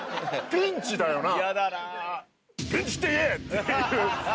ピンチだな！？